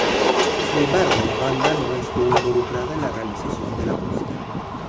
Sin embargo, la banda no estuvo involucrada en la realización de la música.